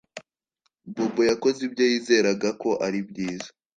Bobo yakoze ibyo yizeraga ko ari byiza